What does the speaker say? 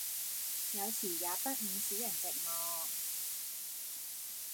有時也不免使人寂寞，